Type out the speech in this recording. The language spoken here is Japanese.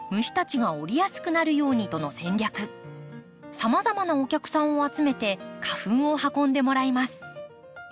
さまざまなお客さんを集めて花粉を運んでもらいます。